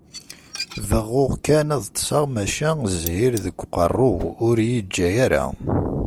Beɣɣuɣ kan ad ṭṭseɣ maca zzhir deg uqerru-w ur yi-iǧǧa ara.